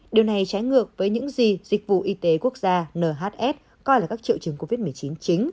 điều này trái ngược với những gì dịch vụ y tế quốc gia nhs coi là các triệu chứng covid một mươi chín chính